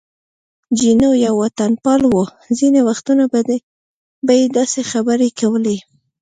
جینو یو وطنپال و، ځینې وختونه به یې داسې خبرې کولې.